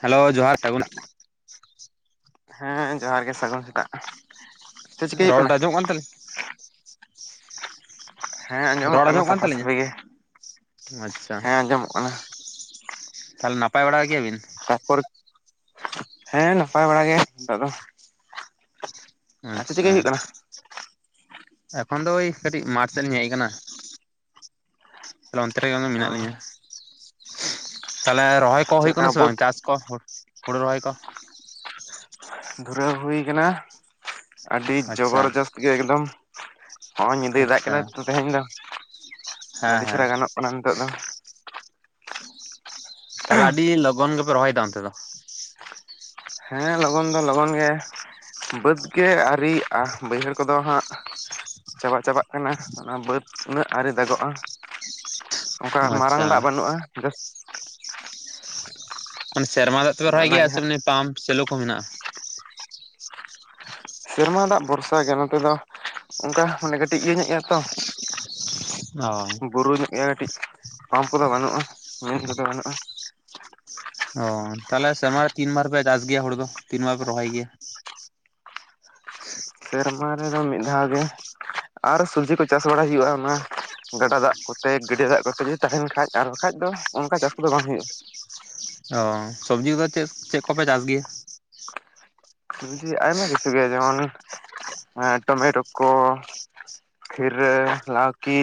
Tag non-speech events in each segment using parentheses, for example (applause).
Hello ᱡᱚᱦᱟᱨ (unintelligible) ᱦᱮᱸ ᱡᱚᱦᱟᱨ ᱜᱮ ᱥᱟᱹᱜᱩᱱ ᱥᱮᱛᱟᱜ ᱪᱮᱫ ᱪᱤᱠᱟᱹᱭ ᱦᱩᱭᱩᱜ ᱨᱚᱲ ᱠᱟᱱᱟ ᱟᱡᱚᱢᱚᱜ ᱠᱟᱱ ᱛᱟᱞᱤᱧᱟ ᱦᱮᱸ ᱨᱚᱲ ᱠᱟᱱᱟ ᱟᱸᱡᱚᱢᱚᱜ ᱠᱟᱱ ᱥᱟᱯᱷᱟ ᱛᱟᱞᱤᱧᱟ ᱥᱟᱹᱯᱷᱤ ᱜᱮ ᱟᱪᱪᱷᱟᱼᱼ ᱦᱮᱸ ᱟᱸᱡᱚᱢᱚᱜ ᱠᱟᱱᱟ ᱛᱟᱦᱚᱞᱮ ᱱᱟᱯᱟᱭ ᱵᱟᱲᱟ ᱜᱮᱭᱟ ᱵᱤᱱ ᱛᱟᱯᱚᱨ ᱦᱮᱸ ᱱᱟᱯᱟᱭ ᱵᱟᱲᱟ ᱜᱮ ᱱᱤᱛᱚᱜ ᱫᱚᱼᱼ ᱟᱪᱪᱷᱟ ᱦᱩᱭᱩᱜ ᱠᱟᱱᱟ ᱮᱠᱷᱚᱱ ᱫᱚ ᱳᱭ ᱠᱟᱹᱴᱤᱡ ᱢᱟᱴᱷ ᱥᱮᱫ ᱞᱤᱧ ᱦᱮᱡ ᱟᱠᱟᱱᱟ ᱛᱟᱦᱞᱮ ᱚᱱᱛᱮ ᱨᱮᱜᱮ ᱢᱮᱱᱟᱜ ᱚ ᱞᱤᱧᱟᱹ ᱛᱟᱞᱦᱮ ᱨᱚᱦᱚᱭ ᱠᱚ ᱪᱮᱫ ᱦᱩᱭᱩᱜ ᱞᱮᱠᱟ ᱠᱟᱱᱟ ᱥᱮ ᱵᱟᱹᱫᱽ ᱵᱟᱝ ᱪᱟᱥ ᱠᱚ ᱦᱩᱲᱩ ᱨᱚᱦᱚᱭ ᱠᱚ ᱫᱷᱩᱨᱟᱹᱣ ᱦᱩᱭ ᱠᱟᱱᱟ ᱟᱹᱰᱤ ᱟᱪᱪᱷᱟ ᱡᱚᱵᱚᱨ ᱡᱚᱥᱛ ᱜᱮ ᱮᱠᱫᱚᱢ ᱦᱚᱜᱼᱚᱭ ᱧᱤᱫᱟᱹᱭ ᱫᱟᱜ ᱟᱪᱪᱷᱟ ᱠᱟᱫᱟ ᱛᱚ ᱛᱮᱦᱮᱧ ᱫᱚᱼᱼ ᱦᱮᱸ ᱦᱮᱸ (unintelligible) ᱜᱟᱱᱚᱜ ᱠᱟᱱᱟ ᱱᱤᱛᱚᱜ ᱫᱚᱼᱼ ᱛᱟᱦᱚᱞᱮ ᱟᱹᱰᱤ ᱞᱚᱜᱚᱱ ᱜᱮᱯᱮ ᱨᱚᱦᱚᱭ ᱮᱫᱟ ᱚᱱᱛᱮ ᱫᱚ ᱦᱮᱸ ᱞᱚᱜᱚᱱ ᱫᱚ ᱞᱚᱜᱚᱱ ᱜᱮ ᱵᱟᱹᱫᱽ ᱜᱮ ᱟᱹᱣᱨᱤ ᱭᱟᱜ-ᱟ ᱵᱟᱹᱭᱦᱟᱹᱲ ᱠᱚᱫᱚ ᱦᱟᱸᱜ ᱪᱟᱵᱟ ᱪᱟᱵᱟᱜ ᱠᱟᱱᱟ ᱚᱱᱟ ᱵᱟᱹᱫᱽ ᱩᱱᱟᱹᱜ ᱟᱣᱨᱤ ᱫᱟᱜᱚᱜᱼᱟ ᱚᱱᱠᱟ ᱢᱟᱨᱟᱝ ᱟᱪᱪᱷᱟ ᱫᱟᱜ ᱵᱟᱹᱱᱩᱜᱼᱟ ᱡᱟᱹᱥᱛᱤᱼᱼ ᱢᱟᱱᱮ ᱥᱮᱨᱢᱟ ᱫᱟᱜ ᱛᱮᱯᱮ ᱟᱫᱚ ᱨᱚᱦᱚᱭ ᱜᱮᱭᱟ ᱚᱱᱟᱜᱮ ᱥᱮ ᱦᱟᱸᱜ ᱯᱟᱢᱯ ᱥᱮᱞᱳ ᱠᱚ ᱢᱮᱱᱟᱜᱼᱟ ᱥᱮᱨᱢᱟ ᱫᱟᱜ ᱵᱷᱚᱨᱥᱟ ᱜᱮ ᱱᱚᱛᱮ ᱫᱚ ᱚᱱᱠᱟ ᱢᱟᱱᱮ ᱠᱟᱹᱴᱤᱡ ᱤᱭᱟᱹ ᱧᱚᱜ ᱜᱮᱭᱟ ᱛᱚ (inaudible) ᱚᱸ ᱵᱩᱨᱩ ᱧᱚᱜ ᱜᱮᱭᱟ ᱠᱟᱹᱴᱤᱡ ᱯᱟᱢᱯ ᱠᱚᱫᱚ ᱵᱟᱹᱱᱩᱜᱼᱟ ᱢᱮᱱᱤ ᱠᱚᱫᱚ ᱵᱟᱹᱱᱩᱜᱼᱟ ᱚ ᱛᱟᱦᱞᱮ ᱥᱮᱨᱢᱟ ᱨᱮ ᱛᱤᱱ ᱵᱟᱨ ᱫᱟᱜ ᱜᱮᱭᱟ ᱦᱩᱲᱩ ᱫᱚ ᱛᱤᱱ ᱵᱟᱨ ᱯᱮ ᱨᱚᱦᱚᱭ ᱜᱮᱭᱟ ᱥᱮᱨᱢᱟ ᱨᱮᱫᱚ ᱢᱤᱫ ᱫᱷᱟᱣ ᱜᱮ ᱟᱨ ᱥᱚᱵᱽᱡᱤ ᱠᱚ ᱪᱟᱥ ᱵᱟᱲᱟᱭ ᱦᱩᱭᱩᱜᱼᱟ ᱚᱱᱟ ᱾ ᱜᱟᱰᱟ ᱫᱟᱜ ᱠᱚᱛᱮ ᱜᱟᱹᱰᱭᱟᱹ ᱫᱟᱜ ᱠᱚᱛᱮ ᱡᱩᱫᱤ ᱛᱟᱦᱮᱱ ᱠᱷᱟᱡ ᱟᱨ ᱵᱟᱠᱷᱟᱱ ᱫᱚ ᱚᱱᱠᱟ ᱪᱟᱥ ᱠᱚᱫᱚ ᱵᱟᱝ ᱦᱩᱭᱩᱜᱼᱟ ᱾ (inaudible) ᱚ ᱥᱚᱵᱽᱡᱤ ᱫᱚ ᱪᱮᱫ ᱪᱮᱫ ᱠᱚᱯᱮ ᱪᱟᱥ ᱜᱮᱭᱟ? ᱥᱚᱵᱽᱡᱤ ᱟᱭᱢᱟ ᱠᱤᱪᱷᱩ ᱜᱮ ᱡᱮᱢᱚᱱ ᱮᱸ ᱴᱚᱢᱮᱴᱳ ᱠᱚ ᱾ ᱠᱷᱤᱨᱟᱹ ᱞᱟᱣᱠᱤ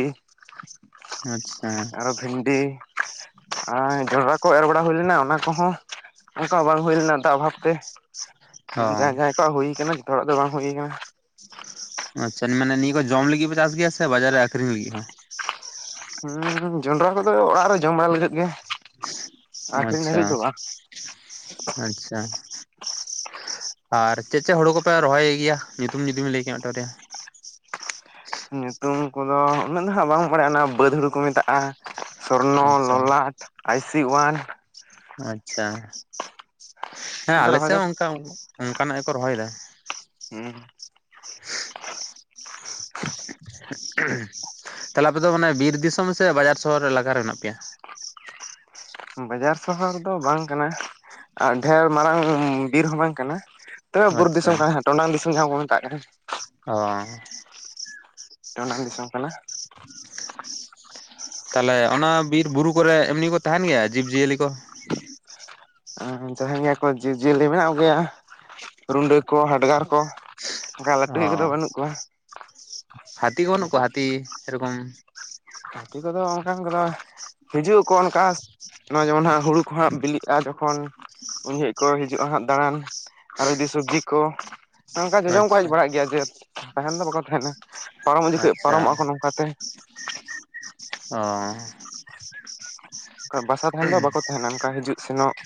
ᱟᱪ, ᱟᱨᱚ ᱵᱷᱤᱱ (inaudible) ᱟᱨ ᱡᱚᱱᱰᱨᱟ ᱠᱚ ᱮᱨ ᱵᱟᱲᱟ ᱦᱩᱭ ᱞᱮᱱᱟ ᱚᱱᱟ ᱠᱚᱦᱚᱸ ᱚᱱᱠᱟ ᱵᱟᱝ ᱦᱩᱭ ᱞᱮᱱᱟ ᱫᱟᱜ ᱚᱵᱷᱟᱵ ᱛᱮ ᱾ ᱚ ᱡᱟᱦᱟᱸᱭ ᱡᱟᱦᱟᱸᱭ ᱠᱚᱣᱟᱜ ᱦᱩᱭ ᱠᱟᱱᱟ ᱡᱷᱚᱛᱚ ᱦᱚᱲᱟᱜ ᱫᱚ ᱵᱟᱝ ᱦᱩᱭ ᱠᱟᱱᱟ ᱾ ᱟᱪᱪᱷᱟ ᱢᱟᱱᱮ ᱱᱤᱭᱟᱹ ᱠᱚ ᱡᱚᱢ ᱞᱟᱹᱜᱤᱫ ᱯᱮ ᱪᱟᱥ ᱜᱮᱭᱟ ᱥᱮ ᱵᱟᱡᱟᱨ ᱨᱮ ᱟᱹᱠᱷᱨᱤᱧ ᱞᱟᱹᱜᱤᱫ ᱦᱚᱸ? ᱦᱩᱸ ᱡᱚᱱᱰᱨᱟ ᱠᱚᱫᱚ ᱚᱲᱟᱜ ᱨᱮ ᱡᱚᱢ ᱵᱟᱲᱟ ᱞᱟᱹᱜᱤᱫ ᱜᱮ ᱾ ᱟᱪᱪᱷᱟ, ᱟᱪᱪᱷᱟ ᱾ ᱟᱨ ᱪᱮᱜ ᱪᱮᱜ ᱦᱳᱲᱳ ᱠᱚᱯᱮ ᱨᱚᱦᱚᱭ ᱜᱮᱭᱟ ᱧᱩᱛᱩᱢ ᱡᱩᱫᱤ ᱵᱮᱱ ᱞᱟᱹᱭ ᱠᱮᱭᱟ (inaudible) ᱧᱩᱛᱩᱢ ᱠᱚᱫᱚ ᱩᱱᱟᱹᱜ ᱫᱚ ᱦᱟᱸᱜ ᱵᱟᱝ ᱵᱟᱲᱟᱭᱱᱟ ᱵᱟᱹᱫᱽ ᱦᱩᱲᱩ ᱠᱚ ᱢᱮᱛᱟᱜᱼᱟ ᱾ ᱥᱚᱨᱱᱚ ᱟᱪᱪᱷᱟ ᱞᱚᱞᱟᱴ ᱟᱭᱥᱤ ᱳᱣᱟᱱ ᱾ ᱟᱪᱪᱷᱟ ᱦᱮᱸ ᱟᱫᱚ ᱨᱚᱦᱚᱭ ᱟᱞᱮᱥᱮᱫ ᱫᱚ ᱦᱚᱸ (inaudible) ᱚᱱᱠᱟ ᱱᱟᱜ ᱜᱮ ᱠᱚ ᱨᱚᱦᱚᱭ ᱫᱟ ᱾ ᱦᱩᱸ (inaudible) ᱛᱷᱟᱞᱮ ᱟᱯᱮ ᱫᱚ ᱢᱟᱱᱮ ᱵᱤᱨ ᱫᱤᱥᱚᱢ ᱥᱮ ᱵᱟᱡᱟᱨ ᱥᱚᱦᱚᱨ ᱮᱞᱟᱠᱟᱨᱮ ᱢᱮᱱᱟᱜ ᱯᱮᱭᱟ? ᱵᱟᱡᱟᱨ ᱥᱚᱦᱚᱨ ᱫᱚ ᱵᱟᱝ ᱠᱟᱱᱟ ᱟᱨ ᱰᱷᱮᱨ ᱢᱟᱨᱟᱝ ᱵᱤᱨ ᱦᱚᱸ ᱵᱟᱝ ᱠᱟᱱᱟ ᱾ ᱛᱟᱹᱣ ᱵᱩᱨ ᱫᱤᱥᱚᱢ ᱠᱟᱱᱟ ᱦᱟᱸᱜ ᱴᱚᱰᱟᱝ ᱫᱤᱥᱚᱢ ᱡᱟᱦᱟᱸ ᱵᱚᱱ ᱢᱮᱛᱟᱜ ᱠᱟᱱᱟ ᱾ ᱚᱻ ᱴᱚᱰᱟᱝ ᱫᱤᱥᱚᱢ ᱠᱟᱱᱟ ᱾ ᱛᱟᱦᱞᱮ ᱚᱱᱟ ᱵᱤᱨ ᱵᱩᱨᱩ ᱠᱚ ᱨᱮ ᱮᱢᱱᱤ ᱠᱚ ᱛᱟᱦᱮᱱ ᱜᱮᱭᱟ ᱡᱤᱵ ᱡᱤᱭᱟᱹᱞᱤ ᱠᱚ? (inaudible) ᱛᱟᱦᱮᱱ ᱜᱮᱭᱟ ᱠᱚ ᱡᱤᱵᱽᱼᱡᱤᱭᱟᱹᱞᱤ ᱢᱮᱱᱟᱜ ᱠᱚ ᱜᱮᱭᱟ ᱨᱩᱰᱟᱹ ᱠᱚ ᱦᱟᱰᱜᱟᱨ ᱠᱚ ᱾ ᱚᱱᱠᱟ ᱞᱟᱹᱴᱩᱤᱡ ᱠᱚ ᱫᱚ ᱵᱟᱹᱱᱩᱜ ᱠᱚᱣᱟ ᱾ ᱦᱟᱛᱤ ᱠᱚ ᱵᱟᱹᱱᱩᱜ ᱠᱚᱣᱟ ᱦᱟᱛᱤ ᱥᱮᱨᱚᱠᱚᱢ ᱾ ᱦᱟᱛᱤ ᱠᱚ ᱫᱚ ᱚᱱᱠᱟᱱ ᱠᱚ ᱫᱚ ᱾ ᱦᱤᱡᱩᱜ ᱟᱠᱚ ᱚᱱᱠᱟᱥ ᱱᱚᱜᱼᱚᱭ ᱡᱮᱢᱚᱱ ᱦᱟᱸᱜ ᱦᱩᱲᱩ ᱠᱚ ᱦᱟᱸᱜ ᱵᱤᱞᱤᱜᱼᱟ ᱡᱚᱠᱷᱚᱱ ᱾ ᱩᱱ ᱡᱚᱦᱚᱜ ᱠᱚ ᱦᱤᱡᱩᱜᱼᱟ ᱦᱟᱸᱜ ᱫᱟᱬᱟᱱ ᱟᱨᱚ ᱡᱩᱫᱤ ᱥᱚᱵᱽᱡᱤ ᱠᱚ ᱾ ᱱᱚᱝᱠᱟ ᱡᱚᱡᱚᱢ ᱠᱚ ᱦᱮᱡ ᱟᱪᱪᱷᱟ ᱵᱟᱲᱟᱜ ᱜᱮᱭᱟ ᱡᱮ ᱛᱟᱦᱮᱱ ᱫᱚ ᱵᱟᱠᱚ ᱛᱟᱦᱮᱱᱟ ᱯᱟᱨᱚᱢᱚᱜ ᱡᱚᱠᱷᱚᱡ ᱟᱪᱪᱷᱟ ᱯᱟᱨᱚᱢᱚᱜᱼᱟ ᱱᱚᱝᱠᱟᱛᱮ ᱾ ᱚᱻ ᱟᱱᱠᱟ ᱵᱟᱥᱟ ᱛᱟᱦᱮᱱ ᱫᱚ ᱵᱟᱠᱚ ᱛᱟᱦᱮᱱᱟ ᱚᱱᱠᱟ ᱦᱤᱡᱩᱜ ᱥᱮᱱᱚᱜ ᱾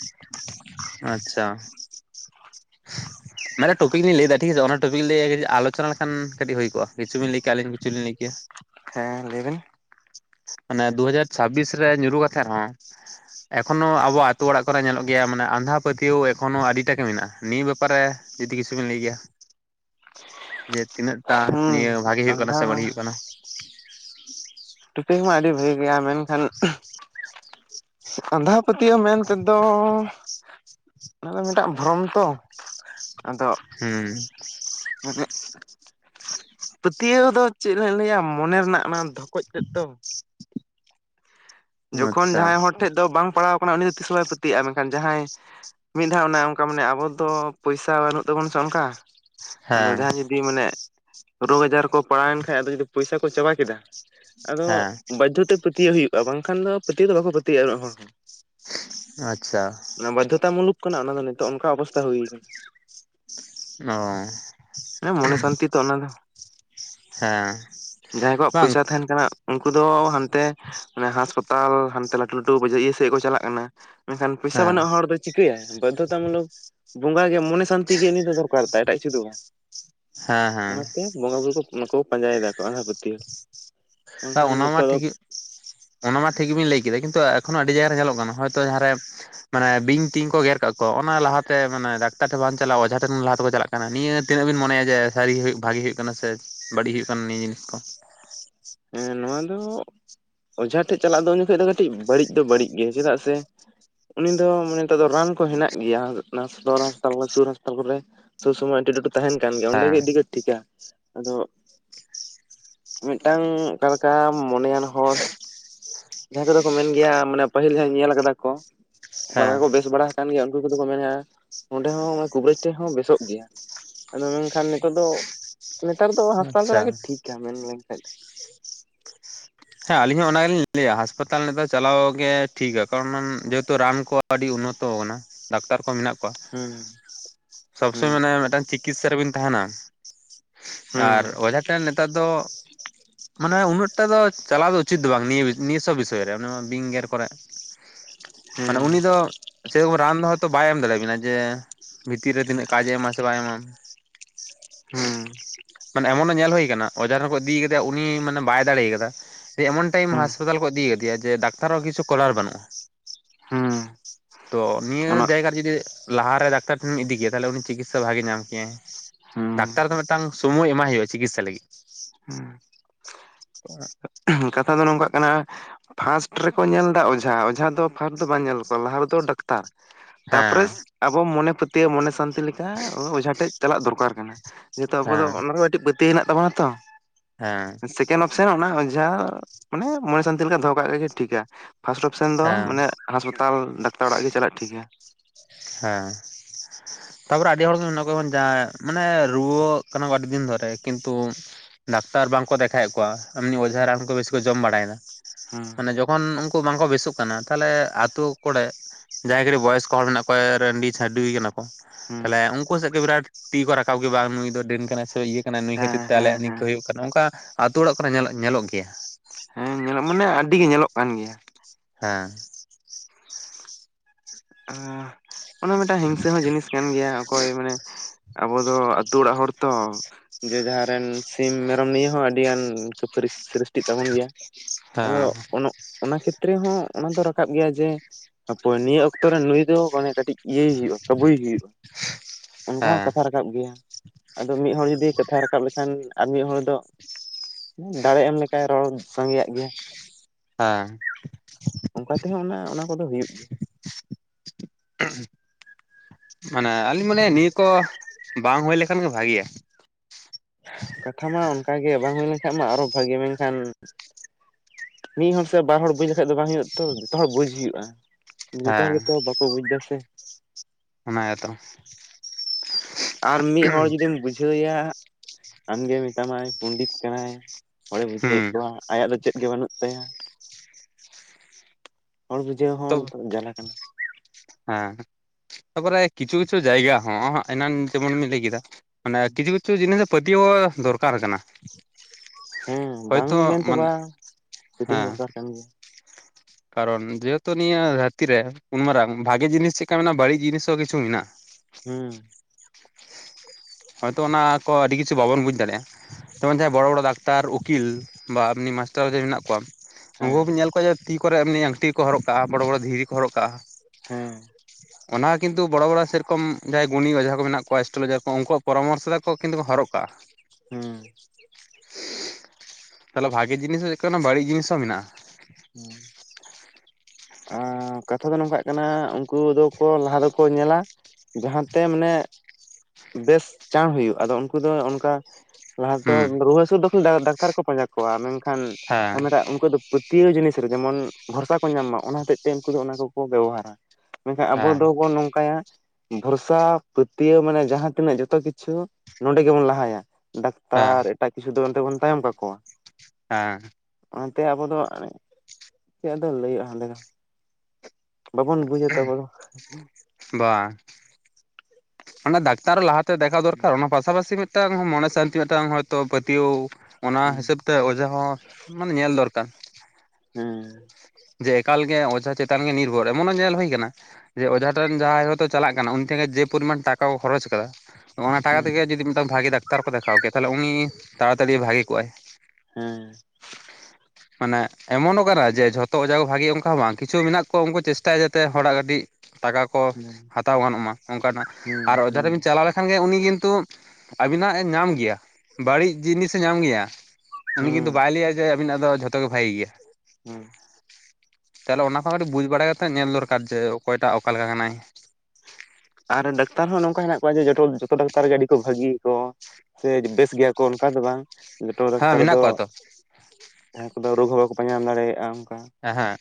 ᱟᱪᱪᱷᱟ, ᱢᱟᱱᱮ ᱴᱚᱠᱤᱠ ᱞᱤᱧ ᱞᱟᱹᱭᱫᱟ ᱾ ᱴᱷᱤᱠ ᱟᱪᱷᱮ ᱚᱱᱟ ᱴᱚᱯᱤᱠ ᱞᱤᱭᱮ ᱟᱞᱚᱪᱚᱱᱟ ᱞᱮᱠᱷᱟᱱ ᱠᱟᱹᱴᱤᱡ ᱠᱚ ᱦᱩᱭ ᱠᱚᱼᱟ ᱠᱤᱪᱩᱵᱤᱱ ᱞᱟᱹᱭ ᱠᱮᱭᱟ ᱟᱹᱞᱤᱧ ᱠᱤᱪᱷᱩ ᱞᱤᱧ ᱞᱟᱹᱭ ᱠᱮᱭᱟ ᱾ ᱦᱮᱸ ᱞᱟᱹᱭᱵᱮᱱ ᱾ ᱢᱟᱱᱮ ᱫᱩ ᱦᱟᱡᱟᱨ ᱪᱷᱟᱵᱵᱤᱥ ᱨᱮ ᱧᱩᱨᱩ ᱠᱟᱛᱮᱜ ᱨᱮ ᱦᱚᱸ ᱮᱠᱷᱚᱱᱳ ᱟᱵᱚ ᱟᱛᱳ ᱚᱲᱟᱜ ᱠᱚ ᱨᱮ ᱧᱮᱞᱚᱜ ᱜᱮᱭᱟ ᱢᱟᱱᱮ ᱟᱸᱫᱷᱟ ᱯᱟᱹᱛᱭᱟᱹᱣ ᱮᱠᱷᱚᱱᱳ ᱟᱹᱰᱤᱴᱟᱜ ᱜᱮ ᱢᱮᱱᱟᱜᱼᱟ ᱱᱤᱭᱟᱹ ᱵᱮᱯᱟᱨᱮ ᱾ ᱡᱩᱫᱤ ᱠᱤᱪᱷᱩᱵᱤᱱ ᱞᱟᱹᱭ ᱜᱮᱭᱟ ᱡᱮ ᱛᱤᱱᱟᱹᱜ ᱴᱟ ᱱᱤᱭᱟᱹ ᱦᱩᱸ ᱵᱷᱟᱜᱮ ᱦᱩᱭᱩᱜ ᱠᱟᱱᱟ ᱥᱮ ᱟᱸᱫᱷᱟ ᱵᱟᱹᱲᱤᱡ ᱦᱩᱭᱩᱜ ᱠᱟᱱᱟ ᱾ ᱴᱩᱯᱤᱠ ᱢᱟ ᱟᱹᱰᱤ ᱵᱷᱟᱹᱜᱤ ᱜᱮᱭᱟ ᱢᱮᱱᱠᱷᱟᱱ (inaudible) ᱟᱸᱫᱷᱟ ᱯᱟᱹᱛᱭᱟᱹᱣ ᱢᱮᱱ ᱛᱮ ᱫᱚ ᱚᱱᱟ ᱫᱚ ᱢᱤᱫᱴᱟᱜ ᱵᱷᱨᱚᱢ ᱛᱚ ᱾ ᱦᱩᱸ᱾ ᱦ (unintelligible) ᱯᱟᱹᱛᱭᱟᱹᱣ ᱫᱚ ᱪᱮᱫ ᱞᱮ ᱞᱟᱹᱭᱟ, ᱢᱚᱱᱮ ᱨᱮᱱᱟᱜ ᱚᱱᱟ ᱫᱷᱚᱠᱚᱡᱽ ᱛᱮᱫ ᱛᱚ ᱡᱚᱠᱷᱚᱱ ᱟᱪᱪᱷᱟ ᱡᱟᱦᱟᱭ ᱦᱚᱲ ᱴᱷᱮᱡ ᱫᱚ ᱵᱟᱝ ᱯᱟᱲᱟᱣ ᱟᱠᱟᱱᱟ, ᱩᱱᱤ ᱫᱚ ᱛᱤᱥ ᱦᱚᱸ ᱵᱟᱭ ᱯᱟᱹᱛ ᱛᱤᱜᱼᱟ ᱢᱮᱱᱠᱷᱟᱱ ᱡᱟᱦᱟᱭ, ᱢᱤᱫ ᱫᱷᱟᱶ ᱚᱱᱟ ᱚᱱᱠᱟ ᱢᱟᱱᱮ ᱟᱵᱚ ᱫᱚ ᱯᱚᱭᱥᱟ ᱵᱟᱹᱱᱩᱜ ᱛᱟᱵᱚᱱᱟ ᱥᱮ ᱚᱱᱠᱟ᱾ ᱟᱫᱚ ᱦᱮᱸ ᱡᱟᱦᱟᱭ ᱡᱩᱫᱤ ᱢᱟᱱᱮ, ᱨᱳᱜᱽ ᱟᱡᱟᱨ ᱠᱚ ᱯᱟᱲᱟᱣ ᱮᱱ ᱠᱷᱟᱡ ᱟᱫᱚ ᱡᱩᱫᱤ ᱯᱚᱭᱥᱟ ᱠᱚ ᱪᱟᱵᱟ ᱠᱮᱫᱟ᱾ ᱟᱫᱚ ᱦᱮᱸ ᱵᱟᱫᱫᱷᱚᱛᱮ ᱯᱟᱹᱛᱭᱟᱹᱣ ᱦᱩᱭᱩᱜᱼᱟ, ᱵᱟᱝᱠᱷᱟᱱ ᱫᱚ ᱯᱟᱹᱛᱭᱟᱹᱣ ᱫᱚ ᱵᱟᱠᱚ ᱯᱟᱹᱛᱭᱟᱹᱜᱼᱟ ᱩᱱᱟᱹᱜ ᱦᱚᱲ᱾ ᱟᱪᱪᱷᱟ᱾ ᱚᱱᱟ ᱵᱟᱫᱽᱫᱷᱚᱛᱟ ᱢᱩᱞᱚᱠ ᱠᱟᱱᱟ᱾ ᱚᱱᱟ ᱫᱚ ᱱᱤᱛᱚᱜ ᱚᱱᱠᱟ ᱚᱵᱚᱥᱛᱷᱟ ᱦᱩᱭ ᱠᱟᱱᱟ᱾ ᱚ ᱦᱮᱸ ᱢᱚᱱᱮ ᱥᱟᱱᱛᱤ ᱛᱚ ᱚᱱᱟ ᱫᱚ᱾ ᱦᱮᱸ ᱡᱟᱦᱟᱭ ᱠᱚᱣᱟᱜ ᱵᱟᱝ ᱯᱚᱭᱥᱟ ᱛᱟᱦᱮᱱ ᱠᱟᱱᱟ᱾ ᱩᱱᱠᱩ ᱫᱚ ᱦᱟᱱᱛᱮ, ᱚᱱᱮ ᱦᱟᱸᱥᱯᱟᱛᱟᱞ ᱦᱟᱱᱛᱮ ᱞᱟᱹᱴᱩ ᱞᱟᱹᱴᱩ ᱤᱭᱟᱹ ᱥᱮᱫ ᱠᱚ ᱪᱟᱞᱟᱜ ᱠᱟᱱᱟ᱾ ᱢᱮᱱᱠᱷᱟᱱ ᱯᱚᱭᱥᱟ ᱦᱮᱸ ᱵᱟᱹᱱᱩᱜ ᱦᱚᱲ ᱫᱚ ᱪᱤᱠᱟᱹᱭᱟ, ᱵᱫᱽᱫᱷᱚᱛᱟ ᱢᱩᱞᱚᱠ ᱵᱚᱸᱜᱟ ᱜᱮ ᱢᱚᱱᱮ ᱥᱟᱱᱛᱤ ᱜᱮ ᱩᱱᱤ ᱫᱚ ᱫᱚᱨᱠᱟᱨ ᱛᱟᱭᱟ ᱾ᱮᱴᱟᱜ ᱠᱤᱪᱷᱩ ᱫᱚ ᱵᱟᱝ᱾ ᱦᱮᱸ ᱦᱮᱸ ᱚᱱᱟᱛᱮ ᱵᱚᱸᱜᱟ ᱵᱩᱨᱩ ᱠᱚ, ᱱᱩᱠᱩ ᱯᱟᱸᱡᱟᱭ ᱫᱟᱠᱚ ᱟᱸᱫᱷᱟ ᱯᱟᱹᱛᱭᱟᱹᱣ᱾ ᱛᱟ ᱵᱟᱝᱠᱷᱟᱱ ᱚᱱᱟ ᱢᱟ ᱱᱤᱛᱚᱜ ᱴᱷᱤᱠᱤ ᱚᱱᱟ ᱢᱟ ᱴᱷᱤᱠ ᱜᱮᱵᱤᱱ ᱞᱟᱹᱭ ᱠᱮᱫᱟ᱾ ᱠᱤᱱᱛᱩ ᱮᱠᱷᱚᱱᱳ ᱟᱹᱰᱤ ᱡᱟᱭᱜᱟ ᱨᱮ ᱧᱮᱞᱚᱜ ᱠᱟᱱᱟ, ᱦᱳᱭᱛᱳ ᱡᱟᱦᱟ ᱨᱮ ᱢᱟᱱᱮ ᱵᱤᱧ ᱛᱤᱧ ᱠᱚ ᱜᱮᱨ ᱠᱟᱜ ᱠᱚᱣᱟ, ᱚᱱᱟ ᱞᱟᱦᱟ ᱛᱮ ᱢᱟᱱᱮ ᱰᱟᱠᱛᱟᱨ ᱴᱷᱮᱱ ᱵᱟᱝ ᱪᱟᱞᱟᱜ ᱚᱡᱷᱟ ᱴᱷᱮᱱ ᱞᱟᱦᱟ ᱛᱮᱠᱚ ᱪᱟᱞᱟᱜ ᱠᱟᱱᱟ᱾ ᱠᱟᱱᱟ ᱱᱤᱭᱟᱹ ᱛᱤᱱᱟᱹᱜ ᱵᱤᱱ ᱢᱚᱱᱮᱭᱟ ᱡᱮ, ᱥᱟᱹᱨᱤ ᱵᱷᱟᱜᱤ ᱦᱩᱭᱩᱜ ᱠᱟᱱᱟ ᱥᱮ ᱵᱟᱹᱲᱤᱡ ᱦᱩᱭᱩᱜ ᱠᱟᱱᱟ ᱱᱤᱭᱟᱹ ᱡᱤᱱᱤᱥ ᱠᱚ᱾ ᱦᱮᱸ ᱱᱚᱣᱟ ᱫᱚ ᱚᱡᱷᱟ ᱴᱷᱮᱡ ᱪᱟᱞᱟᱜ ᱫᱚ ᱩᱱ ᱡᱚᱠᱷᱚᱱ ᱫᱚ ᱠᱟᱹᱴᱤᱡ ᱵᱟᱹᱲᱤᱡ ᱫᱚ ᱵᱟᱹᱲᱤᱡ ᱜᱮ᱾ ᱪᱮᱫᱟᱜ ᱥᱮ ᱩᱱᱤ ᱫᱚ ᱢᱟᱱᱮ ᱱᱤᱛᱚᱜ ᱫᱚ ᱨᱟᱱ ᱠᱚ ᱦᱮᱱᱟᱜ ᱜᱮᱭᱟ, ᱥᱚᱫᱚᱨ ᱦᱟᱥᱯᱟᱛᱟᱞ ᱠᱚ ᱨᱮ ᱥᱩᱨ ᱦᱟᱸᱥᱯᱟᱛᱟᱞ ᱠᱚ ᱨᱮ᱾ ᱥᱚᱵᱥᱚᱢᱚᱭ ᱮᱱᱴᱤᱴᱤᱭᱩᱰ ᱛᱟᱦᱮᱱ ᱠᱟᱱ ᱜᱮᱭᱟ, ᱚᱸᱰᱮ ᱦᱮᱸ ᱜᱮ ᱤᱫᱤ ᱜᱮ ᱴᱷᱤᱠᱟ᱾ ᱟᱫᱚ ᱢᱤᱫᱴᱟᱝ ᱚᱠᱟ ᱞᱮᱠᱟ, ᱢᱚᱱᱮᱭᱟᱱ ᱦᱚᱲ ᱡᱟᱦᱟᱸᱭ ᱠᱚᱫᱚ ᱠᱚ ᱢᱮᱱ ᱜᱮᱭᱟ ᱢᱟᱱᱮ ᱯᱟᱹᱦᱤᱞ ᱡᱟᱦᱟᱸᱭ ᱧᱮᱞ ᱠᱟᱫᱟ ᱠᱚ, ᱚᱠᱟ ᱞᱮᱠᱟ ᱦᱮᱸ ᱠᱚ ᱵᱮᱥ ᱵᱟᱲᱟ ᱠᱟᱱ ᱜᱮᱭᱟ ᱩᱱᱠᱩ ᱠᱚᱫᱚ ᱠᱚ ᱢᱮᱱᱮᱼᱟ, ᱚᱸᱰᱮ ᱦᱚᱸ ᱠᱩᱵᱨᱟᱹᱡ ᱴᱷᱮᱡ ᱦᱚᱸ ᱵᱮᱥᱚᱜ ᱜᱮᱭᱟ᱾ ᱟᱫᱚ ᱢᱮᱱᱠᱷᱟᱱ ᱱᱤᱛᱚᱜ ᱫᱚ, ᱱᱮᱛᱟᱨ ᱫᱚ ᱦᱟᱸᱥᱯᱟᱛᱟᱞ ᱟᱪᱪᱷᱟ ᱪᱟᱞᱟᱜ ᱜᱮ ᱴᱷᱤᱠ-ᱟ᱾ ᱢᱮᱱ ᱠᱷᱟᱡ ᱫᱚ᱾ (inaudible) (inaudible) ᱦᱮᱸ ᱟᱞᱤᱧ ᱦᱚᱸ ᱚᱲᱟ ᱜᱮᱞᱤᱧ ᱞᱟᱹᱭᱟ, ᱦᱟᱸᱥᱯᱟᱛᱟᱞ ᱱᱮᱛᱟᱨ ᱪᱟᱞᱟᱣ ᱜᱮ ᱴᱷᱤᱠᱼᱟ ᱾ᱠᱟᱨᱚᱱ ᱡᱚᱛᱚ ᱨᱟᱱ ᱠᱚ ᱟᱹᱰᱤ ᱩᱱᱚᱛᱚ ᱟᱠᱟᱱᱟ, ᱰᱟᱠᱛᱟᱨ ᱠᱚ ᱢᱮᱱᱟᱜ ᱦᱩᱸ ᱥᱚᱵ ᱥᱚᱢᱚᱭ ᱦᱩᱸ ᱢᱟᱱᱮ, ᱢᱤᱫᱴᱟᱝ ᱪᱤᱠᱤᱥᱟ ᱨᱮᱵᱤᱱ ᱛᱟᱦᱮᱱᱟ᱾ ᱦᱩᱸ ᱟᱨ ᱚᱡᱷᱟ ᱴᱷᱮᱱ ᱱᱮᱛᱟᱨ ᱫᱚ ᱢᱟᱱᱮ ᱩᱱᱟᱹᱜᱴᱟ ᱫᱚ ᱪᱟᱞᱟᱣ ᱫᱚ ᱩᱪᱤᱛ ᱫᱚ ᱵᱟᱝ ᱱᱤᱭᱟᱹ ᱱᱤᱭᱟᱹ ᱥᱚᱵ ᱵᱤᱥᱚᱭ ᱨᱮ ᱾ᱵᱤᱧ ᱜᱮᱨ ᱠᱚᱨᱮ᱾ ᱢᱟᱱᱮ ᱩᱱᱤ ᱫᱚ ᱥᱮ ᱨᱚᱠᱚᱢ ᱨᱟᱱ ᱫᱚ ᱦᱚᱭᱛᱳ ᱵᱟᱭ ᱮᱢ ᱫᱟᱲᱮᱭᱟᱵᱮᱱᱟ ᱡᱮ, ᱵᱷᱤᱛᱤᱨ ᱨᱮ ᱛᱤᱱᱟᱹᱜ ᱠᱟᱡᱮ ᱮᱢᱟ ᱥᱮ ᱵᱟᱭ ᱮᱢᱟ᱾ ᱦᱩᱸ᱾ ᱢᱟᱱᱮ ᱮᱢᱚᱱ ᱦᱚᱸ ᱧᱮᱞ ᱦᱩᱭ ᱠᱟᱱᱟ, ᱚᱡᱷᱟ ᱨᱮᱠᱚ ᱤᱫᱤ ᱠᱟᱮᱭᱟ, ᱩᱱᱤ ᱢᱟᱱᱮ ᱵᱟᱭ ᱫᱟᱲᱮ ᱠᱟᱫᱟ᱾ ᱡᱮ ᱮᱢᱚᱱ ᱴᱟᱭᱤᱢ ᱦᱩᱸ ᱦᱟᱥᱯᱟᱛᱟᱞ ᱠᱚ ᱤᱫᱤ ᱠᱟᱫᱮᱭᱟ, ᱡᱮ ᱫᱟᱠᱛᱟᱨ ᱦᱚᱸ ᱠᱤᱪᱷᱩ ᱠᱚᱨᱟᱨ ᱵᱟᱹᱱᱩᱜᱼᱟ᱾ ᱦᱩᱸ ᱛᱚ ᱱᱤᱭᱟᱹ ᱚᱱᱟ ᱡᱟᱭᱜᱟ ᱨᱮ ᱡᱩᱫᱤ ᱞᱟᱦᱟᱨᱮ ᱰᱟᱠᱛᱟᱨ ᱴᱷᱮᱱᱮᱢ ᱤᱫᱤ ᱠᱮᱭᱟ, ᱛᱟᱦᱚᱞᱮ ᱩᱱᱤ ᱪᱤᱠᱤᱥᱟ ᱵᱷᱟᱜᱮ ᱧᱟᱢ ᱠᱮᱟᱭ᱾ ᱦᱩᱸ ᱰᱟᱠᱛᱟᱨ ᱫᱚ ᱢᱮᱴᱟᱝ ᱥᱚᱢᱚᱭ ᱮᱢᱟᱭ ᱦᱩᱭᱩᱜᱼᱟ, ᱪᱤᱠᱤᱥᱟ ᱞᱟᱹᱜᱤᱫ᱾ ᱦᱩᱸ ᱠᱟᱛᱷᱟ ᱫᱚ ᱱᱚᱝᱠᱟᱜ ᱠᱟᱱᱟ ᱯᱷᱟᱥᱴ ᱨᱮᱠᱚ ᱧᱮᱞᱫᱟ ᱚᱡᱷᱟ, ᱚᱡᱷᱟ ᱫᱚ ᱯᱷᱟᱥᱴ ᱫᱚ ᱵᱟᱝ ᱧᱮᱞ ᱠᱚᱣᱟ ᱞᱟᱦᱟ ᱨᱮᱫᱚ ᱰᱟᱠᱛᱟᱨ᱾ ᱛᱟᱯᱚᱨᱮ, ᱦᱮᱸ ᱟᱵᱚ ᱢᱚᱱᱮ ᱯᱟᱹᱛᱭᱟᱹᱣ ᱢᱚᱱᱮ ᱥᱟᱹᱱᱛ ᱛᱤ ᱞᱮᱠᱟ ᱚᱡᱷᱟ ᱴᱷᱮᱡ ᱪᱟᱞᱟᱜ ᱫᱚᱨᱠᱟᱨ ᱠᱟᱱᱟ᱾ ᱡᱮᱛᱚ ᱟᱵᱚ ᱫᱚ ᱦᱮᱸ ᱚᱱᱟ ᱨᱮ ᱟᱹᱰᱤ ᱯᱟᱹᱛᱤᱭ ᱦᱮᱱᱟᱜ ᱛᱟᱵᱚᱱᱟ ᱛᱚ᱾ ᱦᱮᱸ ᱥᱮᱠᱮᱱ ᱚᱯᱷᱥᱮᱱ ᱚᱱᱟ ᱚᱡᱷᱟ ᱢᱟᱱᱮ ᱢᱚᱱᱮ ᱥᱟᱱᱛᱤ ᱞᱮᱠᱟ ᱫᱚᱦᱚ ᱠᱟᱜ ᱜᱮ ᱴᱷᱤᱠᱟ ᱾ ᱯᱷᱟᱥᱴ ᱚᱯᱷᱥᱮᱱ ᱫᱚ, ᱦᱮᱸ ᱢᱟᱱᱮ ᱦᱟᱸᱥᱯᱟᱛᱟᱞ ᱰᱟᱠᱛᱟᱨ ᱚᱲᱟᱜ ᱜᱮ ᱪᱟᱞᱟᱜ ᱴᱷᱤᱠᱟ᱾ ᱦᱮᱸ ᱾ ᱛᱟᱯᱚᱨ ᱟᱹᱰᱤ ᱦᱚᱲ ᱜᱮ ᱢᱮᱱᱟᱜ ᱠᱚᱣᱟ ᱡᱟᱭ ᱢᱟᱱᱮ ᱨᱩᱣᱟᱹ ᱠᱟᱱᱟ ᱠᱚ ᱟᱹᱰᱤ ᱫᱤᱱ ᱫᱷᱚᱨᱮ ᱠᱤᱱᱛᱩ ᱰᱟᱠᱛᱟᱨ ᱵᱟᱝ ᱠᱚ ᱫᱮᱠᱷᱟᱭᱮᱫ ᱠᱚᱣᱟ ᱮᱢᱱᱤ ᱚᱡᱷᱟ ᱨᱟᱱ ᱠᱚ ᱵᱮᱥᱤ ᱠᱚ ᱡᱚᱢ ᱵᱟᱲᱟᱭᱫᱟ, ᱦᱩᱸ ᱢᱟᱱᱮ ᱡᱚᱠᱷᱚᱱ ᱩᱱᱠᱩ ᱵᱟᱝ ᱠᱚ ᱵᱮᱥᱚᱜ ᱠᱟᱱᱟ ᱛᱟᱦᱚᱞᱮ ᱟᱛᱳ ᱠᱚᱨᱮ ᱡᱟᱦᱟᱸᱭ ᱠᱟᱹᱴᱤᱡ ᱵᱚᱭᱚᱥᱠᱚ ᱦᱚᱲ ᱢᱮᱱᱟᱜ ᱠᱚᱣᱟ, ᱨᱟᱺᱰᱤ ᱪᱷᱟᱹᱰᱩᱭ ᱠᱟᱱᱟ ᱦᱩᱸ ᱛᱟᱦᱚᱞᱮ ᱩᱱᱠᱩ ᱥᱮᱫ ᱜᱮ ᱵᱤᱨᱟᱴ ᱛᱤ ᱠᱚ ᱨᱟᱠᱟᱵ ᱜᱮ ᱵᱟᱝ ᱱᱩᱭ ᱫᱚ ᱰᱟᱹᱱ ᱠᱟᱱᱟᱭ ᱥᱮ ᱤᱭᱟᱹ ᱱᱩᱭ ᱦᱮᱸ ᱠᱷᱟᱹᱛᱤᱨ ᱛᱮ ᱦᱮᱸ ᱟᱞᱮᱭᱟᱜ ᱦᱮᱸ ᱱᱤᱝᱠᱟᱹ ᱦᱩᱭᱩᱜ ᱠᱟᱱᱟ, ᱚᱱᱠᱟ ᱟᱹᱛᱩ ᱚᱲᱟᱜ ᱠᱚᱨᱮ ᱧᱮᱞᱚᱜ ᱜᱮᱭᱟ ᱾ ᱦᱮᱸ ᱧᱮᱞᱚᱜ ᱢᱟᱱᱮ, ᱟᱹᱰᱤ ᱜᱮ ᱧᱮᱞᱚᱜ ᱠᱟᱱ ᱜᱮᱭᱟ᱾ ᱦᱮᱸ ᱾ (unintelligible) ᱚᱱᱟ ᱢᱤᱫᱴᱟᱝ ᱦᱤᱝᱥᱟᱹ ᱦᱚᱸ ᱡᱤᱱᱤᱥ ᱠᱟᱱ ᱜᱮᱭᱟ ᱾ ᱚᱠᱚᱭ ᱢᱟᱱᱮ ᱟᱵᱚ ᱫᱚ ᱟᱹᱛᱩ ᱚᱲᱟᱜ ᱦᱚᱲ ᱛᱚ ᱡᱮ ᱡᱟᱦᱟᱸ ᱨᱮᱱ ᱥᱤᱢ ᱢᱮᱨᱚᱢ ᱱᱤᱭᱟᱹ ᱦᱚᱸ ᱟᱹᱰᱤ ᱜᱟᱱ ᱠᱷᱟᱹᱯᱟᱹᱨᱤ ᱥᱨᱤᱥᱴᱤᱜ ᱛᱟᱵᱚᱱ ᱜᱮᱭᱟ᱾ ᱦᱮᱸ ᱾ ᱟᱫᱚ ᱚᱱᱟ ᱠᱷᱮᱛᱨᱮ ᱦᱚᱸ ᱚᱱᱟ ᱫᱚ ᱨᱟᱠᱟᱵ ᱜᱮᱭᱟ ᱡᱮ ᱟᱯᱚᱭ ᱱᱤᱭᱟᱹ ᱟᱛᱳ ᱨᱮ ᱱᱩᱭ ᱫᱚ ᱠᱟᱹᱴᱤᱡ ᱤᱭᱟᱹᱭ ᱦᱩᱭᱩᱜᱼᱟ ᱠᱟᱹᱵᱩᱭ ᱦᱩᱭᱩᱜᱼᱟ, ᱚᱱᱠᱟ ᱦᱚᱸ ᱦᱮᱸ ᱠᱟᱛᱷᱟ ᱨᱟᱠᱟᱵ ᱜᱮᱭᱟ ᱾ ᱟᱫᱚ ᱢᱤᱫ ᱦᱚᱲ ᱡᱩᱫᱤ ᱠᱟᱛᱷᱟᱭ ᱨᱟᱠᱟᱵ ᱞᱮᱠᱷᱟᱱ ᱟᱨ ᱢᱤᱫ ᱦᱚᱲ ᱫᱚ ᱫᱟᱲᱮ ᱮᱢ ᱞᱮᱠᱟᱭ ᱨᱚᱲ ᱥᱟᱸᱜᱮᱭᱟᱜ ᱜᱮᱭᱟ ᱾ ᱦᱮᱸ ᱾ ᱚᱱᱠᱟ ᱛᱮᱦᱚᱸ ᱚᱱᱟ, ᱚᱱᱟ ᱠᱚᱫᱚ ᱦᱩᱭᱩᱜ ᱜᱮᱭᱟ (inaudible) ᱢᱟᱱᱮ ᱟᱹᱞᱤᱧ ᱵᱚᱞᱮ ᱢᱟᱱᱮ ᱱᱤᱭᱟᱹ ᱠᱚ, ᱵᱟᱝ ᱦᱩᱭ ᱞᱮᱠᱷᱟᱱ ᱜᱮ ᱵᱷᱟᱜᱮᱭᱟ ᱾ ᱠᱟᱛᱷᱟ ᱢᱟ ᱚᱱᱠᱟ ᱜᱮ ᱵᱟᱝ ᱦᱩᱭ ᱞᱮᱱᱠᱷᱟᱱ ᱢᱟ ᱟᱨᱚ ᱵᱷᱟᱜᱤ ᱢᱮᱱᱠᱷᱟᱱ ᱢᱤᱫ ᱦᱚᱲ ᱥᱮ ᱵᱟᱨ ᱦᱚᱲ ᱵᱩᱡᱽ ᱞᱮᱠᱷᱟᱡ ᱫᱚ ᱵᱟᱝ ᱦᱩᱭᱩᱜᱼᱟ ᱛᱚ, ᱡᱚᱛᱚ ᱦᱚᱲ ᱵᱩᱡᱽ ᱦᱩᱭᱩᱜᱼᱟ᱾ ᱡᱚᱛᱚ ᱦᱮᱸ ᱦᱚᱲ ᱜᱮᱛᱚ ᱵᱟᱠᱚ ᱵᱩᱡ ᱫᱟ ᱥᱮ ᱾ ᱚᱱᱟ ᱜᱮᱛᱚ ᱾ ᱟᱨ ᱢᱤᱫ ᱦᱚᱲ ᱡᱩᱫᱤᱢ ᱵᱩᱡᱷᱟᱹᱣ ᱮᱭᱟ, ᱟᱢ ᱜᱮ ᱢᱮᱛᱟᱢᱟᱭ ᱯᱚᱱᱰᱤᱛ ᱠᱟᱱᱟᱭ ᱾ ᱦᱚᱲᱮ ᱵᱩᱡᱷᱟᱹᱣ ᱮᱫ ᱦᱩᱸ ᱠᱚᱣᱟ, ᱟᱭᱟᱜ ᱫᱚ ᱪᱮᱫ ᱜᱮ ᱵᱟᱱᱩᱜ ᱛᱟᱭᱟ ᱾ ᱦᱚᱲ ᱵᱩᱡᱷᱟᱹᱣ ᱦᱚᱸ ᱛᱚ ᱱᱤᱛᱚᱜ ᱡᱟᱞᱟ ᱠᱟᱱᱟ ᱾ ᱦᱮᱸ ᱛᱟ ᱯᱚᱨᱮ ᱠᱤᱪᱷᱩ, ᱠᱤᱪᱷᱩ ᱡᱟᱭᱜᱟ ᱦᱚᱸ ᱮᱱᱟᱱ ᱡᱮᱢᱚᱱ ᱞᱟᱹᱭ ᱠᱮᱫᱟ ᱢᱟᱱᱮ ᱠᱤᱪᱷᱩ ᱠᱤᱪᱷᱩ ᱡᱤᱱᱤᱥ ᱯᱟᱹᱛᱭᱟᱹᱣ ᱫᱚᱨᱠᱟᱨ ᱠᱟᱱᱟ ᱾ ᱦᱮᱸ ᱵᱟᱝ ᱢᱮᱱ ᱛᱚ ᱵᱟᱝ ᱠᱟᱹᱴᱤᱡ ᱦᱚᱸ ᱦᱮᱸ ᱫᱚᱨᱠᱟᱨ ᱠᱟᱱ ᱜᱮᱭᱟ ᱾ ᱠᱟᱨᱚᱱ ᱡᱮᱦᱮᱛᱩ ᱱᱤᱭᱟᱹ ᱫᱷᱟᱹᱨᱛᱤ ᱨᱮ ᱩᱱ ᱢᱟᱨᱟᱝ ᱵᱷᱟᱜᱮ ᱡᱤᱱᱤᱥ ᱪᱮᱫ ᱠᱟ ᱢᱮᱱᱟᱜᱼᱟ, ᱵᱟᱹᱲᱤᱡᱽ ᱡᱤᱱᱤᱥ ᱦᱚᱸ ᱠᱤᱪᱷᱩ ᱢᱮᱱᱟᱜᱼᱟ ᱾ ᱦᱩᱸ ᱾ ᱦᱚᱭᱛᱳ ᱚᱱᱟ ᱠᱚ ᱟᱹᱰᱤ ᱠᱤᱪᱷᱩ ᱵᱟᱵᱚᱱ ᱵᱩᱡᱽ ᱫᱟᱲᱮᱜᱼᱟ ᱾ ᱡᱮᱢᱚᱱ ᱡᱟᱦᱟᱸᱭ ᱵᱚᱲᱚ, ᱵᱚᱲᱚ ᱰᱟᱠᱛᱟᱨ ᱩᱠᱤᱞ ᱵᱟ ᱮᱢᱱᱤ ᱢᱟᱥᱴᱟᱨ ᱡᱮ ᱢᱮᱱᱟᱜ ᱠᱚᱣᱟ ᱾ ᱩᱱᱠᱩ ᱦᱮᱸ ᱯᱮ ᱧᱮᱞ ᱠᱚᱣᱟ ᱡᱮ ᱛᱤ ᱠᱚᱨᱮ ᱮᱢᱱᱤ ᱟᱝᱴᱤ ᱠᱚ ᱦᱚᱨᱚᱜ ᱠᱟᱜᱼᱟ ᱵᱚᱲᱚ ᱵᱚᱲᱚ ᱫᱷᱤᱨᱤ ᱠᱚ ᱦᱚᱨᱚᱜ ᱠᱟᱜᱼᱟ ᱦᱮᱸ ᱾ ᱚᱱᱟ ᱠᱤᱱᱛᱩ ᱵᱚᱲᱚ, ᱵᱚᱲᱚ ᱥᱮ ᱨᱚᱠᱚᱢ ᱡᱟᱦᱟᱸᱭ ᱜᱩᱱᱤ ᱚᱡᱷᱟ ᱠᱚ ᱢᱮᱱᱟᱜ ᱠᱚᱣᱟ ᱮᱥᱴᱳᱞᱚᱡᱟᱨ ᱠᱚ ᱩᱱᱠᱩ ᱯᱚᱨᱟᱢᱚᱨᱥᱚ ᱫᱟᱠᱚ ᱠᱤᱱᱛᱩ ᱠᱚ ᱦᱚᱨᱚᱜ ᱠᱟᱜᱼᱟ ᱾ ᱦᱩᱸ ᱾ ᱛᱟᱦᱚᱞᱮ ᱵᱷᱟᱜᱮ ᱡᱤᱱᱤᱥ ᱦᱚᱸ ᱪᱮᱫ ᱠᱟ ᱢᱮᱱᱟ ᱵᱟᱹᱲᱤᱡᱽ ᱡᱤᱱᱤᱥ ᱦᱚᱸ ᱢᱮᱱᱟᱜᱼᱟ ᱾ (inaudible) ᱟᱻ ᱠᱟᱛᱷᱟ ᱫᱚ ᱱᱚᱝᱠᱟᱜ ᱠᱟᱱᱟ ᱩᱱᱠᱩ ᱫᱚᱠᱚ ᱞᱟᱦᱟ ᱫᱚ ᱠᱚ ᱧᱮᱞᱟ ᱡᱟᱦᱟᱸ ᱛᱮ ᱢᱟᱱᱮ ᱵᱮᱥ ᱪᱟᱬ ᱦᱩᱭᱩᱜᱼᱟ, ᱟᱫᱚ ᱩᱱᱠᱩ ᱫᱚ ᱚᱱᱠᱟ ᱞᱟᱦᱟ ᱛᱮᱫᱚ ᱦᱩᱸ ᱨᱩᱣᱟᱹ ᱦᱟᱹᱥᱩ ᱨᱮᱫᱚ ᱠᱷᱟᱱ ᱰᱟ-ᱫᱟᱠᱠᱛᱟᱨ ᱠᱚ ᱯᱟᱸᱡᱟ ᱠᱚᱣᱟ ᱢᱮᱱᱠᱷᱟᱱ ᱦᱮᱸ (unintelligible) ᱩᱱᱠᱩ ᱫᱩ ᱛᱤᱭᱟᱹ ᱡᱤᱱᱤᱥ ᱨᱮ ᱡᱮᱢᱚᱱ ᱵᱷᱚᱨᱥᱟ ᱠᱚ ᱧᱟᱢ ᱢᱟ ᱚᱱᱟ ᱦᱚᱛᱮᱡᱽ ᱛᱮ ᱩᱱᱠᱩ ᱫᱚ ᱚᱱᱟ ᱠᱚ ᱠᱚ ᱵᱮᱵᱚᱦᱟᱨᱟ᱾ ᱢᱮᱱᱠᱷᱟᱱ ᱟᱵᱚ ᱦᱮᱸ ᱫᱚᱵᱚᱱ ᱱᱚᱝᱠᱟᱭᱟ ᱵᱷᱚᱨᱥᱟ ᱯᱟᱹᱛᱭᱟᱹᱣ ᱢᱟᱱᱮ ᱡᱟᱦᱟᱸ ᱛᱤᱱᱟᱹᱜ ᱡᱚᱛᱚ ᱠᱤᱪᱷᱩ ᱱᱚᱰᱮ ᱜᱮ ᱵᱚᱱ ᱞᱟᱦᱟᱭᱟ᱾ ᱦᱮᱸ ᱰᱟᱠᱛᱟᱨ ᱮᱴᱟᱜ ᱠᱤᱪᱷᱩ ᱫᱚ ᱚᱱᱛᱮ ᱵᱚᱱ ᱛᱟᱭᱚᱢ ᱠᱟᱠᱚᱣᱟ᱾ ᱦᱮᱸ᱾ ᱚᱱᱟ ᱛᱮ ᱟᱵᱚ ᱫᱚ᱾ ᱪᱮᱫ ᱫᱚ ᱞᱟᱹᱭᱚᱜᱼᱟ ᱞᱟᱹᱭ ᱢᱮ᱾ ᱵᱟᱵᱚᱱ ᱵᱩᱡᱟ ᱛᱚ ᱟᱵᱚ ᱫᱚ᱾ ᱵᱟ᱾ ᱚᱱᱟ ᱰᱟᱠᱛᱟᱨ ᱞᱟᱦᱟ ᱛᱮ ᱫᱮᱠᱷᱟᱣ ᱫᱚᱨᱠᱟᱨ᱾ ᱚᱱᱟ ᱯᱟᱥᱟ ᱯᱟᱥᱤ ᱢᱤᱫᱴᱟᱝ ᱢᱚᱱᱮ ᱥᱟᱱᱛᱤ ᱢᱤᱫ ᱴᱟᱝ ᱦᱳᱭᱛᱚ ᱯᱟᱹᱛᱭᱟᱹᱣ ᱚᱱᱟ ᱦᱮᱸ ᱦᱤᱥᱟᱹᱵ ᱛᱮ ᱚᱡᱷᱟ ᱦᱚᱸ ᱢᱟᱱᱮ ᱧᱮᱞ ᱫᱚᱨᱠᱟᱨ᱾ ᱦᱩᱸ᱾ ᱡᱮ ᱮᱠᱟᱞ ᱜᱮ ᱚᱡᱷᱟ ᱪᱮᱛᱟᱱ ᱜᱮ ᱱᱤᱨᱵᱷᱚᱨ ᱮᱢᱚᱱᱚ ᱧᱮᱞ ᱦᱩᱭ ᱠᱟᱱᱟ᱾ ᱡᱮ ᱚᱡᱷᱟ ᱴᱷᱮᱱ ᱡᱟᱦᱟᱸᱭ ᱦᱳᱭᱛᱚ ᱪᱟᱞᱟᱜ ᱠᱟᱱᱟ ᱩᱱᱤ ᱴᱷᱮᱱ ᱜᱮ ᱡᱮ ᱯᱚᱨᱤᱢᱟᱱ ᱴᱟᱠᱟ ᱠᱚ ᱠᱷᱚᱨᱚᱪ ᱟᱠᱟᱫᱟ᱾ ᱚᱱᱟ ᱴᱟᱠᱟ ᱛᱮ ᱦᱮᱸ ᱜᱮ ᱡᱩᱫᱤ ᱢᱤᱫ ᱴᱟᱝ ᱵᱷᱟᱜᱮ ᱫᱟᱠᱛᱟᱨ ᱠᱚ ᱫᱮᱠᱷᱟᱣ ᱠᱮᱭᱟ ᱛᱟᱦᱞᱮ ᱩᱱᱤ ᱛᱟᱲᱟ ᱛᱟᱲᱤ ᱵᱷᱟᱜᱮ ᱠᱚᱜᱼᱟᱭ᱾ ᱦᱩᱸ᱾ ᱢᱟᱱᱮ ᱮᱢᱚᱱᱚ ᱠᱟᱱᱟ ᱡᱮ ᱡᱷᱚ ᱛᱚ ᱚᱡᱷᱟ ᱠᱚ ᱵᱷᱟᱜᱮᱭᱟ ᱚᱱᱠᱟ ᱦᱚᱸ ᱵᱟᱝ ᱠᱤᱪᱷᱩ ᱢᱮᱱᱟᱜ ᱠᱚᱣᱟ ᱩᱱᱠᱩ ᱪᱮᱥᱴᱟᱭ ᱡᱟᱛᱮ ᱦᱚᱲᱟᱜ ᱠᱟᱹᱴᱤᱡᱽ ᱴᱟᱠᱟ ᱠᱚ ᱦᱮᱸ ᱦᱟᱛᱟᱣ ᱜᱟᱱᱚᱜ ᱢᱟ ᱚᱱᱠᱟᱱᱟᱜ ᱦᱮᱸ ᱟᱨ ᱚᱡᱷᱟ ᱦᱮᱸ ᱴᱷᱮᱡ ᱵᱤᱱ ᱪᱟᱞᱟᱣ ᱞᱮ ᱠᱷᱟᱱ ᱜᱮ ᱩᱱᱤ ᱠᱤᱱᱛᱩ ᱟᱵᱤᱱᱟᱜ ᱮ ᱧᱟᱢ ᱜᱮᱭᱟ ᱵᱟᱹᱲᱤᱡᱽ ᱡᱤᱱᱤᱥᱮ ᱧᱟᱢ ᱜᱮᱭᱟ᱾ ᱩᱱᱤ ᱠᱤᱱᱛᱩ ᱵᱟᱭ ᱞᱟᱹᱭᱟ ᱡᱮ ᱟᱵᱤᱱᱟᱜ ᱫᱚ ᱡᱷᱚᱛᱚ ᱜᱮ ᱵᱷᱟᱜᱮ ᱜᱮᱭᱟ᱾ ᱦᱩᱸ᱾ ᱛᱟᱦᱞᱮ ᱚᱱᱟ ᱠᱚᱸ ᱦᱚᱸ ᱠᱟᱹᱴᱤᱡ ᱵᱩᱡᱽ ᱵᱟᱲᱟ ᱠᱟᱛᱮᱫ ᱧᱮᱞ ᱫᱚᱨᱠᱟᱨ ᱡᱮ ᱚᱠᱚᱭ ᱴᱟᱜ ᱚᱠᱟ ᱞᱮᱠᱟ ᱠᱟᱱᱟᱭ᱾ ᱟᱨ ᱰᱟᱠᱛᱟᱨ ᱦᱚᱸ ᱱᱚᱝᱠᱟ ᱦᱮᱱᱟᱜ ᱠᱚᱣᱟ ᱡᱮ ᱡᱚᱴᱚ ᱡᱚᱛᱚ ᱰᱟᱠᱛᱟᱨ ᱜᱮ ᱟᱹᱰᱤ ᱠᱚ ᱵᱷᱟᱹᱜᱤᱭᱟᱠᱚ᱾ ᱥᱮ ᱵᱮᱥ ᱜᱮᱭᱟ ᱠᱚ ᱚᱱᱠᱟ ᱫᱚ ᱵᱟᱝ᱾ ᱡᱚᱛᱚ ᱦᱮᱸ ᱰᱟᱠᱛᱟᱨ ᱢᱮᱱᱟᱜ ᱫᱚ ᱠᱚᱣᱟ ᱛᱚ ᱡᱟᱦᱟᱸᱭ ᱠᱚ ᱫᱚ ᱨᱳᱜᱽ ᱦᱚᱸ ᱵᱟᱠᱚ ᱯᱟᱸᱡᱟ ᱧᱟᱢ ᱫᱟᱲᱮᱭᱟᱜᱼᱟ᱾ ᱮᱸᱦᱮᱜ᱾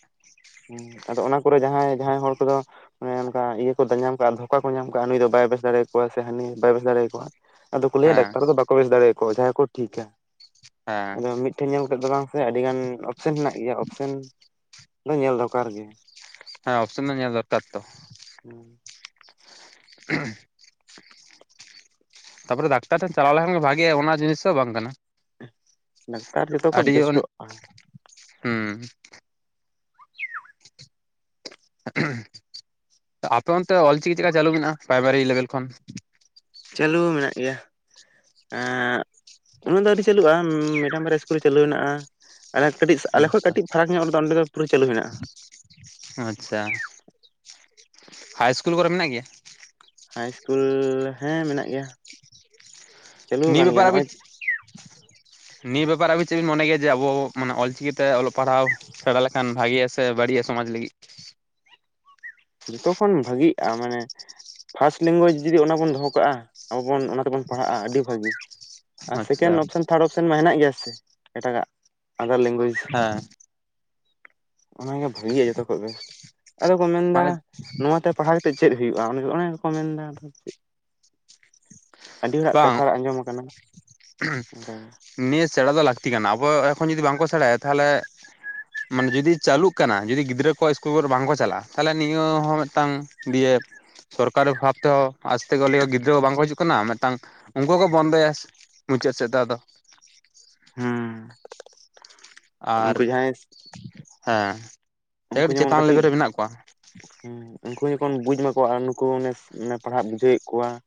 ᱦᱩᱸ ᱟᱫᱚ ᱚᱱᱟ ᱠᱚᱨᱮ ᱡᱟᱦᱟᱸᱭ ᱡᱟᱦᱟᱸᱭ ᱦᱚᱲ ᱠᱚ ᱫᱚ ᱚᱱᱮ ᱚᱱᱠᱟ ᱤᱭᱟᱹ ᱠᱚ ᱫᱟ ᱧᱟᱢ ᱠᱟᱜᱼᱟ ᱫᱷᱚ᱾ ᱚᱠᱟ ᱠᱚ ᱧᱟᱢ ᱠᱟᱜᱼᱟ ᱱᱩᱭ ᱫᱚ ᱵᱟᱭ ᱵᱮᱥ ᱫᱟᱲᱮᱭᱟᱠᱚᱣᱟ ᱥᱮ ᱦᱟᱹᱱᱤ ᱵᱟᱭ ᱵᱮᱥ ᱫᱟᱲᱮᱭᱟᱠᱚᱣᱟ, ᱟᱫᱚ ᱠᱚ ᱞᱟᱹᱭᱟ ᱦᱮᱸ ᱰᱟᱠᱛᱟᱨ ᱫᱚ ᱵᱟ ᱠᱚ ᱵᱮᱥ ᱫᱟᱲᱮᱭᱟᱠᱚᱣᱟ᱾ ᱚᱡᱷᱟ ᱜᱮᱠᱚ ᱴᱷᱤᱠᱟ᱾ ᱦᱮᱸ ᱟᱫᱚ ᱢᱤᱫ ᱴᱷᱮᱱ ᱧᱮᱞ ᱠᱟᱛᱮ ᱫᱚ ᱵᱟᱝ ᱥᱮ ᱟᱹᱰᱤ ᱜᱟᱱ ᱚᱯ ᱚᱯᱷᱥᱮᱱ ᱦᱮᱱᱟᱜ ᱜᱮᱭᱟ᱾ ᱚᱯᱥᱮᱱ ᱫᱚ ᱧᱮᱞ ᱫᱚᱨᱠᱟᱨ ᱜᱮ᱾ ᱦᱮᱸ ᱚᱯᱷᱥᱮᱱ ᱫᱚ ᱧᱮᱞ ᱫᱚᱨᱠᱟᱨ ᱛᱚ᱾ ᱦᱩᱸ᱾ (unintelligible) ᱛᱟᱯᱚᱨᱮ ᱰᱟᱠᱛᱟᱨ ᱴᱷᱮᱱ ᱪᱟᱞᱟᱣ ᱞᱮᱠᱷᱟᱱ ᱜᱮ ᱵᱷᱟᱜᱮᱜᱼᱟ ᱚᱱᱟ ᱡᱤᱱᱤᱥ ᱦᱚᱸ ᱵᱟᱝ ᱠᱟᱱᱟ᱾ ᱰᱠᱮᱛᱟᱨ ᱡᱚᱛᱚ ᱠᱷᱚᱱ ᱟᱹᱰᱤ ᱵᱮᱥᱴᱚᱜᱼᱟ᱾ ᱦᱩᱸ᱾ ᱟᱯᱮ ᱚᱱᱛᱮᱮ ᱚᱞᱪᱤᱠᱤ ᱪᱮᱫᱠᱟ ᱪᱟᱹᱞᱩ ᱢᱮᱱᱟᱜᱼᱟ ᱯᱨᱟᱭᱢᱟᱨᱤ ᱞᱮᱵᱮᱞ ᱠᱷᱚᱱ? ᱪᱟᱹᱞᱩ ᱢᱮᱱᱟᱜ ᱜᱮᱭᱟ᱾ ᱮᱸᱜ ᱩᱱᱟᱹᱜ ᱫᱚ ᱟᱹᱣᱨᱤ ᱪᱟᱹᱞᱩᱜᱼᱟ ᱢᱮᱫᱴᱟᱝ ᱵᱟᱨᱭᱟ ᱤᱥᱠᱩᱞ ᱨᱮ ᱪᱟᱹᱞᱩ ᱦᱮᱱᱟᱜᱼᱟ᱾ ᱟᱞᱮ ᱠᱟᱹᱴᱤᱡ ᱟᱞᱮ ᱠᱷᱚᱡ ᱟᱪᱪᱷᱟ ᱠᱟᱹᱴᱤᱡ ᱯᱷᱟᱨᱟᱠ ᱧᱚᱜ ᱨᱮᱫᱚ ᱚᱸᱰᱮ ᱫᱚ ᱯᱩᱨᱟᱹ ᱪᱟᱹᱞᱩ ᱦᱮᱱᱟᱜᱼᱟ᱾ ᱚ ᱟᱪᱪᱷᱟ᱾ ᱦᱟᱭ ᱤᱥᱠᱩᱞ ᱠᱚᱨᱮ ᱢᱮᱱᱟᱜ ᱜᱮᱭᱟ? ᱦᱟᱭ ᱤᱥᱠᱩᱞ, ᱦᱮᱸ ᱢᱮᱱᱟᱜ ᱜᱮᱭᱟ᱾ ᱪᱟᱹᱞᱩ ᱱᱤᱭᱟᱹ ᱟᱠᱟᱱ ᱜᱮᱭᱟ ᱵᱮᱯᱟᱨ ᱱᱚᱜᱼᱚᱭ ᱟᱵᱤᱡ ᱱᱤᱭᱟᱹ ᱵᱮᱯᱟᱨ ᱟᱵᱤᱱ ᱪᱮᱜ ᱵᱤᱱ ᱢᱚᱱᱮ ᱜᱮᱭᱟ ᱡᱮ ᱟᱵᱚ ᱢᱟᱱᱮ ᱚᱞ ᱪᱤᱠᱤᱛᱮ ᱚᱞᱚᱜ ᱯᱟᱲᱦᱟᱣ ᱥᱮᱬᱟ ᱞᱮᱠᱷᱟᱱ ᱵᱷᱟᱜᱮᱤᱭᱟ ᱥᱮ ᱵᱟᱹᱲᱤᱡ-ᱟ ᱥᱚᱢᱟᱡ ᱞᱟᱹᱜᱤᱫ? ᱡᱚᱛᱚᱠᱷᱚᱱ ᱵᱷᱟᱜᱤᱜᱼᱟ, ᱢᱟᱱᱮ ᱯᱷᱟᱥᱴ ᱞᱮᱝᱜᱩᱭᱮᱡ ᱡᱩᱫᱤ ᱚᱱᱟ ᱵᱚᱱ ᱫᱚᱦᱚ ᱠᱟᱜᱼᱟ, ᱟᱵᱚ ᱵᱚᱱ ᱚᱱᱟ ᱛᱮᱵᱚᱱ ᱯᱟᱲᱦᱟᱜᱼᱟ ᱟᱹᱰᱤ ᱵᱷᱟᱹᱜᱤ ᱾ ᱟᱨ ᱟᱪᱪᱷᱟ ᱥᱮᱠᱮᱱᱰ ᱚᱯᱥᱮᱱ ᱛᱷᱟᱨᱰ ᱚᱯᱥᱮᱱ ᱢᱟ ᱦᱮᱱᱟᱜ ᱜᱮᱭᱟ ᱥᱮ ᱮᱴᱟᱜᱟᱜ ᱟᱫᱟᱨ ᱞᱮᱝᱜᱩᱭᱮᱡᱽ ᱾ ᱦᱮᱸ ᱾ ᱚᱱᱟ ᱜᱮ ᱵᱷᱟᱹᱜᱤᱜ-ᱟ ᱡᱚᱛᱚ ᱠᱷᱚᱡ ᱵᱮᱥᱴ ᱾ ᱟᱫᱚ ᱠᱚ ᱢᱮᱱᱫᱟ ᱢᱟᱱᱮ ᱱᱚᱣᱟ ᱛᱮ ᱯᱟᱲᱦᱟᱣ ᱠᱟᱛᱮᱫ ᱪᱮᱫ ᱦᱩᱭᱩᱜᱼᱟ ᱚᱱᱮ ᱚᱱᱠᱟ ᱠᱚ ᱢᱮᱱᱫᱟ ᱾ ᱟᱫᱚ ᱟᱹᱰᱤ ᱦᱚᱲᱟᱜ ᱵᱟᱝ ᱠᱟᱛᱷᱟ ᱟᱸᱡᱚᱢ ᱟᱠᱟᱱᱟ ᱚᱱᱠᱟ ᱜᱮ ᱾ ᱱᱤᱭᱟᱹ ᱥᱮᱬᱟ ᱫᱚ ᱞᱟᱹᱠᱛᱤ ᱠᱟᱱᱟ ᱟᱵᱚ ᱮᱠᱷᱚᱱ ᱡᱩᱫᱤ ᱵᱟᱝᱠᱚ ᱥᱮᱬᱟᱭᱟ ᱛᱟᱦᱚᱞᱮ ᱢᱟᱱᱮ ᱡᱩᱫᱤ ᱪᱟᱹᱞᱩᱜ ᱠᱟᱱᱟ ᱡᱩᱫᱤ ᱜᱤᱫᱽᱨᱟᱹ ᱠᱚᱣᱟᱜ ᱤᱥᱠᱩᱞ ᱠᱚᱨᱮ ᱵᱟᱝ ᱠᱚ ᱪᱟᱞᱟᱜᱼᱟ ᱛᱟᱦᱚᱞᱮ ᱱᱤᱭᱟᱹ ᱦᱚᱸ ᱢᱮᱫᱴᱟᱝ ᱫᱤᱭᱮ ᱥᱚᱨᱠᱟᱨᱤ ᱵᱷᱟᱵ ᱛᱮᱦᱚᱸ ᱟᱡᱽ ᱛᱮ ᱜᱮᱞᱮᱳᱣ ᱜᱤᱫᱽᱨᱟᱹ ᱵᱟᱝᱠᱚ ᱦᱤᱡᱩᱜ ᱠᱟᱱᱟ ᱢᱮᱫᱴᱟᱝ ᱩᱱᱠᱩ ᱦᱚ ᱠᱚ ᱵᱚᱱᱫᱚᱭᱟ ᱢᱩᱪᱟᱹᱫ ᱥᱮᱫ ᱫᱚ ᱟᱫᱚ ᱾ ᱦᱩᱸ ᱾ ᱟᱨ, ᱦᱮᱸ ᱾ ᱩᱱᱠᱩ ᱡᱮᱢᱚᱱ ᱠᱟᱹᱴᱤᱡ ᱦᱩᱸ ᱩᱱᱠᱩ ᱡᱚᱠᱷᱚᱱ ᱵᱩᱡ ᱢᱟᱠᱚ ᱱᱩᱠᱩ ᱚᱱᱮ ᱢᱟᱱᱮ ᱯᱟᱲᱦᱟᱜ ᱵᱩᱡᱷᱟᱹᱣᱮᱫ ᱠᱚᱣᱟ ᱾